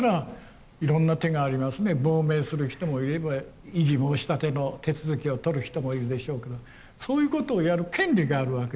亡命する人もいれば異議申し立ての手続きを取る人もいるでしょうけどそういうことをやる権利があるわけですね。